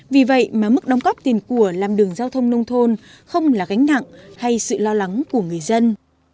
vì vậy mà mức đóng góp tiền của làm đường giao thông nông thôn không là gánh nặng hay sự lo lắng của người dân